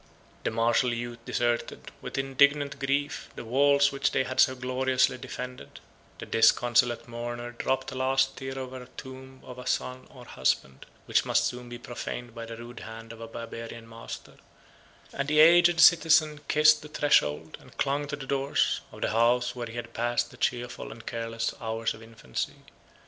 125 The martial youth deserted, with indignant grief, the walls which they had so gloriously defended: the disconsolate mourner dropped a last tear over the tomb of a son or husband, which must soon be profaned by the rude hand of a Barbarian master; and the aged citizen kissed the threshold, and clung to the doors, of the house where he had passed the cheerful and careless hours of infancy.